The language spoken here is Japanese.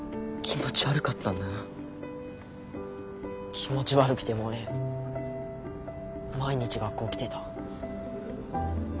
気持ち悪くても俺毎日学校来てた。